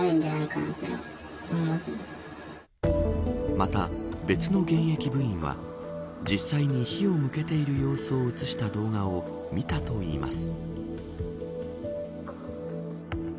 また、別の現役部員は実際に火を向けている様子を映した動画を見たといいます。